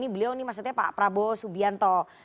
beliau ini maksudnya pak prabowo subianto